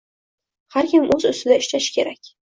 “har kim o‘z ustidan ishlashi kerak”